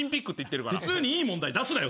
普通にいい問題出すなよ